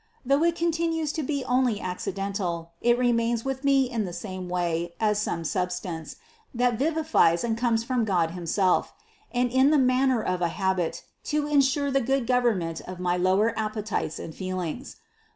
Though it continues to be only accidental, it remains with me in the same way as some substance, that vivifies and comes from God himself ; and in the manner of a habit, to insure the good government of my lower appetites and feelings.